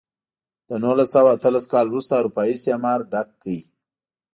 له نولس سوه اتلس کال وروسته اروپايي استعمار ډک کړ.